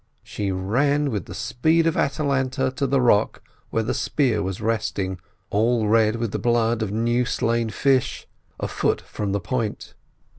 She ran with the speed of Atalanta to the rock where the spear was resting, all red with the blood of new slain fish, a foot from the point.